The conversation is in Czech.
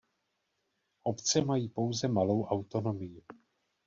Obce mají pouze malou autonomii.